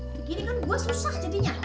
begini kan gue susah jadinya